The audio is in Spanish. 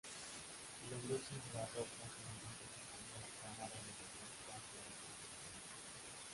La luz infrarroja se dirige cruzando la cámara de la muestra hacia el detector.